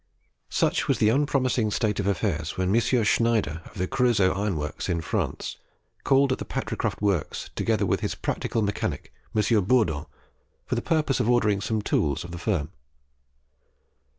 Such was the unpromising state of affairs, when M. Schneider, of the Creusot Iron Works in France, called at the Patricroft works together with his practical mechanic M. Bourdon, for the purpose of ordering some tools of the firm.